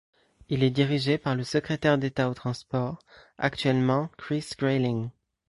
Il est dirigé par le secrétaire d'État aux Transports, actuellement Chris Grayling.